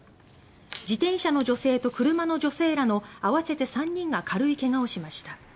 自転車の女性と車の女性らの合わせて３人が軽い怪我をしました。